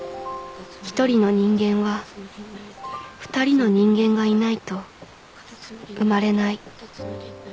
１人の人間は２人の人間がいないと生まれない